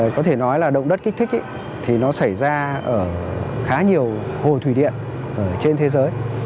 có thể nói là động đất kích thích thì nó xảy ra ở khá nhiều hồ thủy điện trên thế giới